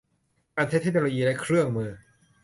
การใช้เทคโนโลยีและเครื่องมือ